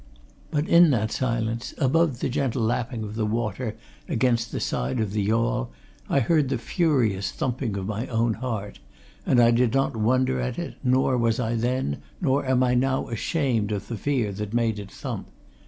But in that silence, above the gentle lapping of the water against the side of the yawl, I heard the furious thumping of my own heart and I did not wonder at it, nor was I then, nor am I now ashamed of the fear that made it thump.